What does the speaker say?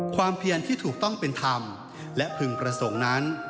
เพียรที่ถูกต้องเป็นธรรมและพึงประสงค์นั้น